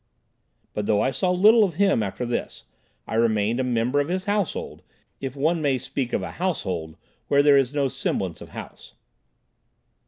But though I saw little of him after this, I remained a member of his household, if one may speak of a "household" where there is no semblance of house.